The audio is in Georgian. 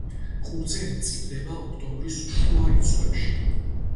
ყურძენი მწიფდება ოქტომბრის შუა რიცხვებში.